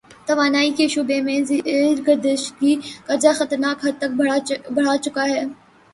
توانائی کے شعبے میں زیر گردشی قرضہ خطرناک حد تک بڑھ چکا ہے۔